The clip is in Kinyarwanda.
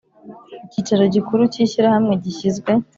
Icyicaro gikuru cy Ishyirahamwe gishyizwe